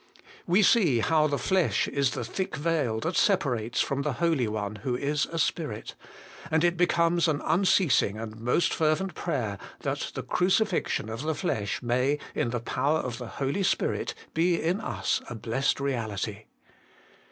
We see how the flesh is the thick veil that separates from the Holy One who is a Spirit, and it becomes an THE WAY INTO THE HOLIEST. 249 unceasing and most fervent prayer, that the cruci fixion of the flesh may, in the power of the Holy Spirit, be in us a blessed reality.